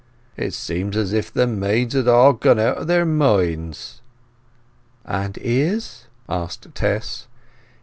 It seems as if the maids had all gone out o' their minds!" "And Izz?" asked Tess.